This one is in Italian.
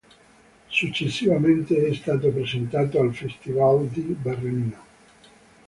Successivamente è stato presentato al Festival di Berlino.